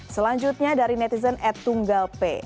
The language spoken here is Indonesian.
selanjutnya dari netizen at tunggal p